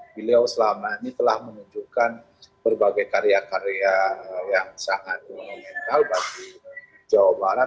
beliau selama ini telah menunjukkan berbagai karya karya yang sangat monumental bagi jawa barat